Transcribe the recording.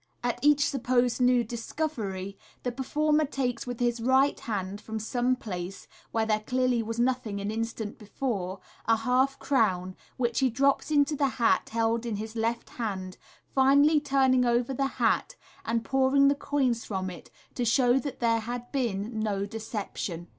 At each supposed new discovery the performer takes with his right hand, from some place where there clearly was nothing an instant before, a half crown, which he drops into the hat held in his left hand, finally turning over the hat, and pouring the coins from it, to show that there has been "no deception."